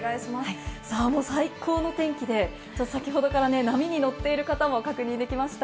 もう最高の天気で、さきほどからね、波に乗ってる方も確認できました。